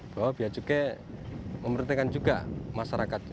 bahwa bia cukai memerintahkan juga masyarakat ini